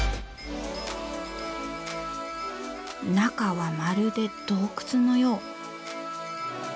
中はまるで洞窟のよう。